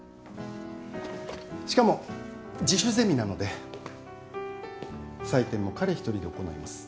しかも自主ゼミなので採点も彼一人で行います。